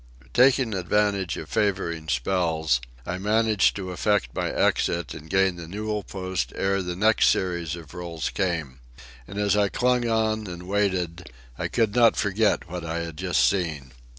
Taking advantage of favouring spells, I managed to effect my exit and gain the newel post ere the next series of rolls came. And as I clung on and waited, I could not forget what I had just seen.